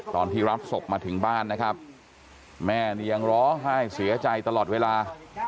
ตอนที่รับศพมาถึงบ้านนะครับแม่นี่ยังร้องไห้เสียใจตลอดเวลา